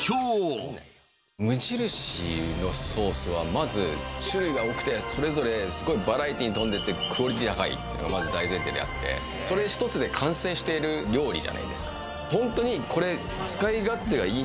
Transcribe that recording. まず種類が多くてそれぞれすごいバラエティーに富んでてクオリティ高いっていうのがまず大前提であってそれひとつで完成している料理じゃないですか